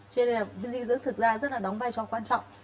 cho nên là dinh dưỡng thực ra rất là đóng vai cho quan trọng